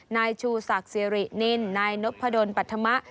นายชูศักดิ์สิรินินนายนพดลปัธมะ